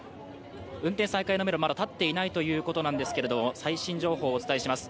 運転再開のめどは、まだ立っていないということなんですけれども、最新情報をお伝えします。